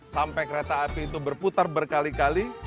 sampai kereta api itu berputar berkali kali